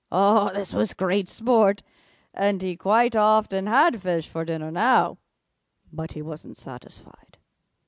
This was great sport, and he quite often had fish for dinner now. "But he wasn't satisfied.